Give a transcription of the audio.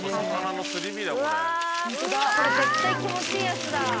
うわこれ絶対気持ちいいやつだ。